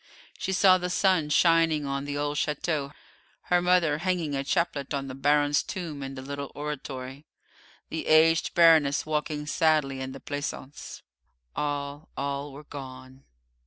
She saw the sun shining on the old château, her mother hanging a chaplet on the baron's tomb in the little oratory, the aged baroness walking sadly in the pleasance. All, all were gone.